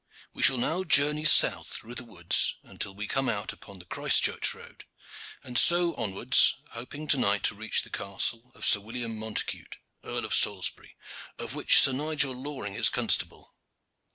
"We shall now journey south through the woods until we come out upon the Christchurch road, and so onwards, hoping to night to reach the castle of Sir William Montacute, Earl of Salisbury, of which Sir Nigel Loring is constable.